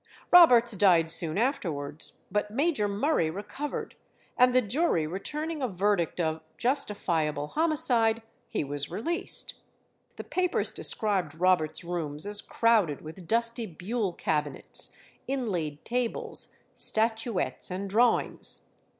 Roberts died soon afterwards, but Major Murray recovered, and the jury returning a verdict of "Justifiable Homicide," he was released. The papers described Roberts's rooms as crowded with dusty Buhl cabinets, inlaid tables, statuettes, and drawings.